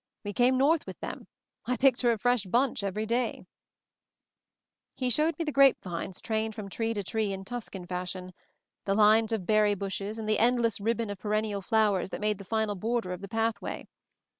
We came north with them; I picked her a fresh bunch every dayl" He showed me the grape vines trained from tree to tree in Tuscan fashion; the lines of berry bushes, and the endless rib bon of perennial flowers that made the final border of the pathway.